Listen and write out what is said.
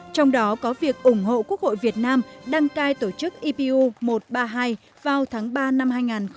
trong đó có việc ủng hộ quốc hội việt nam đăng cai tổ chức ipu một trăm ba mươi hai vào tháng ba năm hai nghìn hai mươi